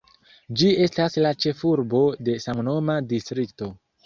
Ĝi estas la ĉefurbo de samnoma distrikto.